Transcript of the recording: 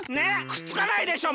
くっつかないでしょ？